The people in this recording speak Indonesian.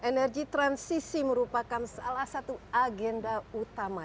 energi transisi merupakan salah satu agenda utama